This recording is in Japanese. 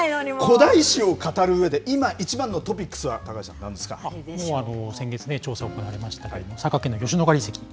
古代史を語るうえで今一番のトピックスは高橋さん、なんです先月、調査行われましたけれども、吉野ヶ里遺跡。